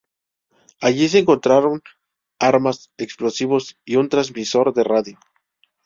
Allí se encontraron armas, explosivos y un transmisor de radio.